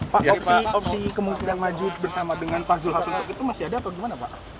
pak opsi opsi kemungkinan maju bersama dengan pak zulhas untuk itu masih ada atau gimana pak